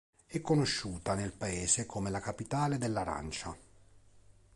È conosciuta nel paese come la "capitale dell'arancia".